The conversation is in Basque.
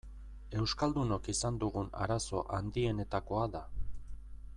Euskaldunok izan dugun arazo handienetakoa da.